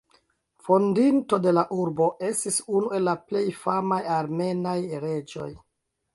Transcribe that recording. Fondinto de la urbo, estis unu el la plej famaj armenaj reĝoj.